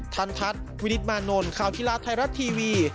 ทันทัศน์วินิตมานนท์ข่าวกีฬาไทยรัฐทีวี